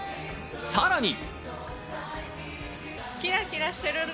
さらに。